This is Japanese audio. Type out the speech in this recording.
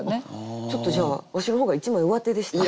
ちょっとじゃあわしの方が一枚うわてでしたかね？